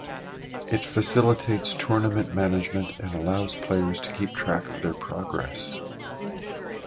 It facilitates tournament management and allows players to keep track of their progress.